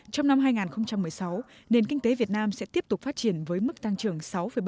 trong năm hai nghìn một mươi sáu nền kinh tế việt nam sẽ tiếp tục phát triển với mức tăng trưởng sáu bảy